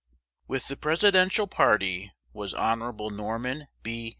With the Presidential party was Hon. Norman B.